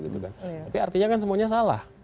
tapi artinya kan semuanya salah